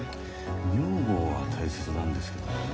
女房は大切なんですけどね。